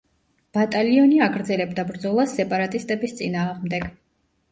ბატალიონი აგრძელებდა ბრძოლას სეპარატისტების წინააღმდეგ.